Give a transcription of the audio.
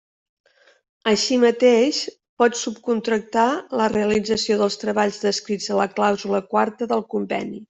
Així mateix pot subcontractar la realització dels treballs descrits a la clàusula quarta del conveni.